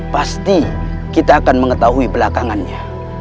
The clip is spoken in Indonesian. pasti kita akan mengetahui belakangannya